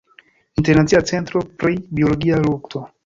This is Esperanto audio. Internacia Centro pri Biologia lukto.